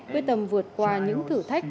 quyết tâm vượt qua những thử thách